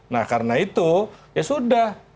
nah karena itu ya sudah